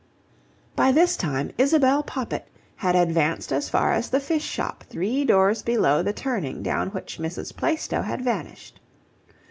By this time Isabel Poppit had advanced as far as the fish shop three doors below the turning down which Mrs. Plaistow had vanished.